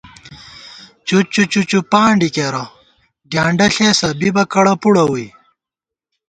چُچّو چُچّوپانڈی کېرہ، ڈیانڈہ ݪېسہ ، بِبہ کڑہ پُڑہ ووئی